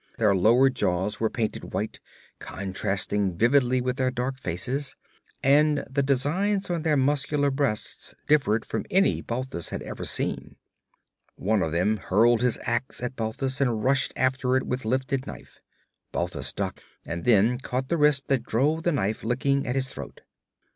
Their lower jaws were painted white, contrasting vividly with their dark faces, and the designs on their muscular breasts differed from any Balthus had ever seen. One of them hurled his ax at Balthus and rushed after it with lifted knife. Balthus ducked and then caught the wrist that drove the knife licking at his throat.